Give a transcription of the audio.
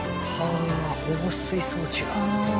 あ放水装置が。